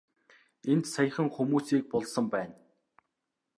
Энд саяхан хүмүүсийг булсан байна.